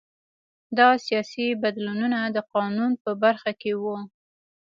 دا سیاسي بدلونونه د قانون په برخه کې وو